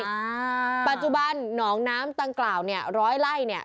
อ่าปัจจุบันหนองน้ำต่างกล่าวเนี้ยร้อยไล่เนี่ย